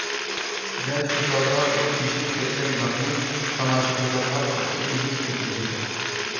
دەل شۇ چاغدا ئۇ تېشىلىپ كەتكەن داپنى تاماشىبىنلارغا قارىتىپ ئېگىز كۆتۈردى.